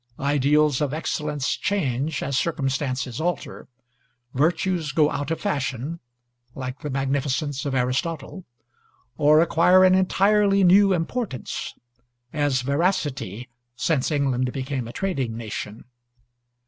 Ideals of excellence change as circumstances alter. Virtues go out of fashion (like the magnificence of Aristotle), or acquire an entirely new importance (as veracity, since England became a trading nation).